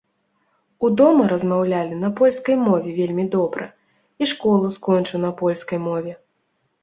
У дома размаўлялі на польскай мове вельмі добра, і школу скончыў на польскай мове.